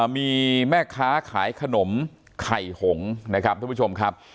มีแม่ค้าขายขนมไข่หงนะครับท่านผู้ชมครับ